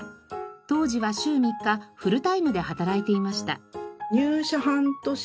当時は週３日フルタイムで働いていました。